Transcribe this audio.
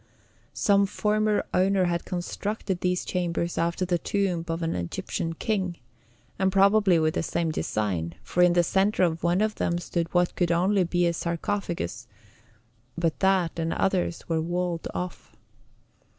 Some former owner had constructed these chambers after the tomb of an Egyptian king, and probably with the same design, for in the centre of one of them stood what could only be a sarcophagus, but that and others were walled off.